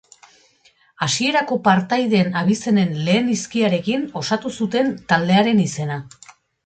Hasierako partaideen abizenen lehen hizkiarekin osatu zuten taldearen izena.